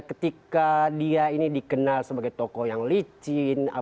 ketika dia ini dikenal sebagai tokoh yang licin